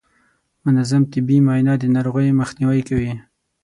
منظم طبي معاینه د ناروغیو مخنیوی کوي.